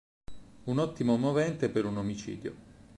Un ottimo movente per un omicidio...